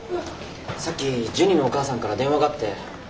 さっきジュニのお母さんから電話があって。